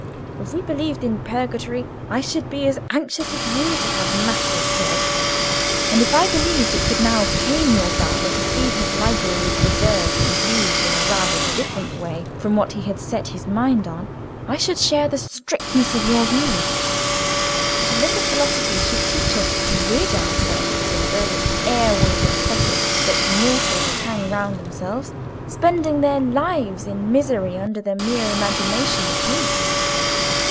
If we believed in purgatory, I should be as anxious as you to have masses said; and if I believed it could now pain your father to see his library preserved and used in a rather different way from what he had set his mind on, I should share the strictness of your views. But a little philosophy should teach us to rid ourselves of those air woven fetters that mortals hang round themselves, spending their lives in misery under the mere imagination of weight.